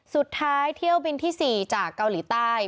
เที่ยวบินที่๔จากเกาหลีใต้